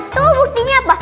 tuh buktinya apa